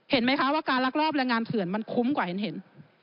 เห็นไหมคะว่าการลักลอบแรงงานเถื่อนมันคุ้มกว่าเห็น